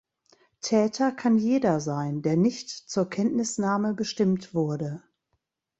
Täter kann jeder sein, der nicht zur Kenntnisnahme bestimmt wurde.